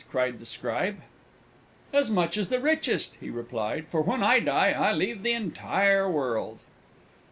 cried the Scribe. "As much as the richest," he replied; "for when I die, I leave the entire World!"